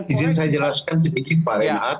izin saya jelaskan sedikit pak reinhardt